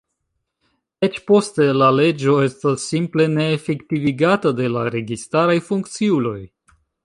Eĉ poste, la leĝo estas simple ne efektivigata de la registaraj funkciuloj.